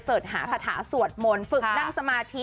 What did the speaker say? หาคาถาสวดมนต์ฝึกนั่งสมาธิ